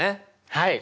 はい。